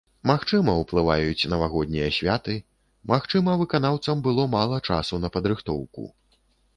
Магчыма, ўплываюць навагоднія святы, магчыма, выканаўцам было мала часу на падрыхтоўку.